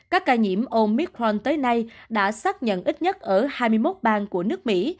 các ca nhiễm omicron tới nay đã xác nhận ít nhất ở hai mươi một bang của nước mỹ